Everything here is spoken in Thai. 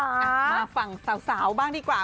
มาฟังสาวบ้างดีกว่า